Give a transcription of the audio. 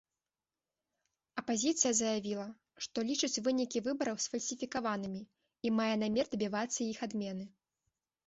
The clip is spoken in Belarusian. Апазіцыя заявіла, што лічыць вынікі выбараў сфальсіфікаванымі і мае намер дабівацца іх адмены.